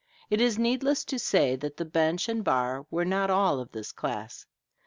It is needless to say that the bench and bar were not all of this class.